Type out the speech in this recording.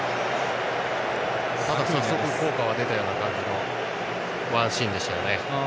効果が出たような感じのワンシーンでしたよね。